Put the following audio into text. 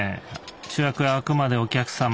主役はあくまでお客様。